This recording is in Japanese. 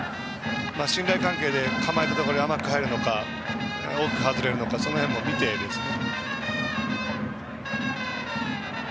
信頼関係で構えたところに甘く入るのか大きく外れるのかその辺も見てですね。